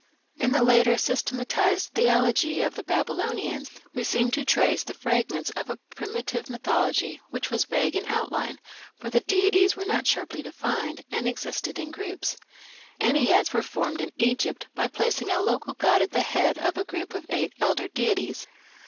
In the later systematized theology of the Babylonians we seem to trace the fragments of a primitive mythology which was vague in outline, for the deities were not sharply defined, and existed in groups. Enneads were formed in Egypt by placing a local god at the head of a group of eight elder deities.